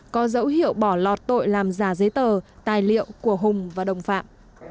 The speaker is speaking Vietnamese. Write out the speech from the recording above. có dấu hiệu bỏ lọt tội làm giả giấy tờ tài liệu của hùng và đồng phạm